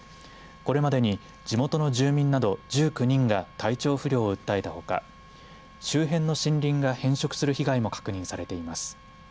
これまでに地元の住民など１９人が体調不良を訴えたほか周辺の森林が変色する被害も確認されています。